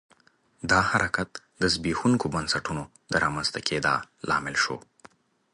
دا حرکت د زبېښونکو بنسټونو د رامنځته کېدا لامل شو.